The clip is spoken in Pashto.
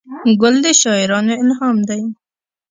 ګل د شاعرانو الهام دی.